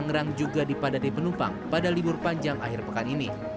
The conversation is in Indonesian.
mengerang juga di padatai penumpang pada libur panjang akhir pekan ini